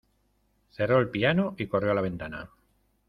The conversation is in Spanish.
Cerró el piano y corrió a la ventana.